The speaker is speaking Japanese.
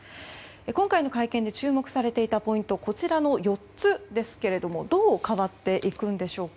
今回の会見で注目されていたポイントは、こちらの４つですがどう変わっていくんでしょうか。